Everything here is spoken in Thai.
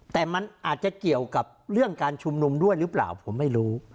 แต่มันอาจจะเกี่ยวกับเรื่องการชุมนุมด้วยหรือเปล่าผมไม่รู้